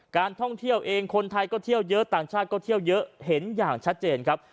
การท่องเที่ยวเองคนไทยก็เที่ยวเยอะต่างชาติก็เที่ยวเยอะเห็นอย่างชัดเจนครับ